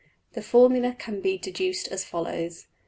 The formula can be deduced as follows.